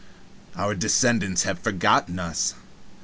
Our descendants have forgotten us.